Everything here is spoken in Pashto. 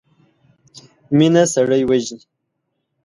مينه سړی وژني.